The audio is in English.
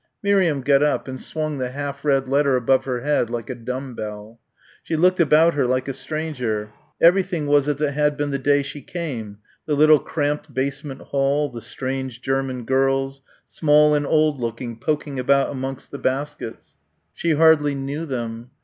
Miriam got up and swung the half read letter above her head like a dumb bell. She looked about her like a stranger everything was as it had been the day she came the little cramped basement hall the strange German girls small and old looking, poking about amongst the baskets. She hardly knew them.